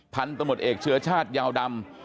พันธุ์ตำรวจเอกเชื้อชาติยาวดำ